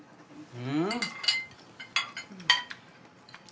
うん。